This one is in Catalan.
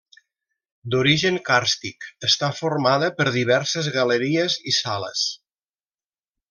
D'origen càrstic, està formada per diverses galeries i sales.